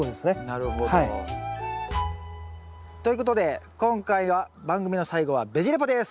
なるほど。ということで今回は番組の最後はベジ・レポです。